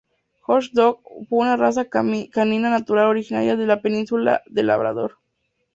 John’s dog"— fue una raza canina natural originaria de la península del Labrador.